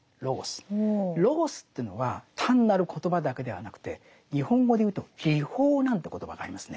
ロゴスというのは単なる言葉だけではなくて日本語でいうと理法なんて言葉がありますね。